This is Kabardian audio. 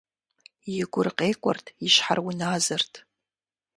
И гур къекӏуэрт, и щхьэр уназэрт.